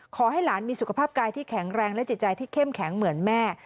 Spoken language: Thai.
ขอให้หลานมีสุขภาพกายที่แข็งแรงและจิตใจที่เข้มแข็งเหมือนแม่